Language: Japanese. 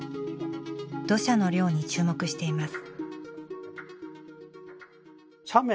土砂の量に注目しています。